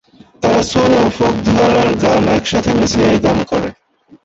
তারা সোল ও ফোক ধারার গান একসাথে মিশিয়ে গান করে।